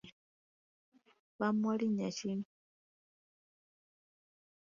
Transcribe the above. Baamuwa linnya ki?